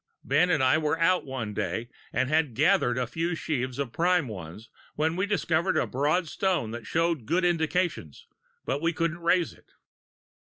"Ben and I were out, one day, and had gathered a few sheaves of prime ones, when we discovered a broad stone that showed good indications, but we couldn't raise it.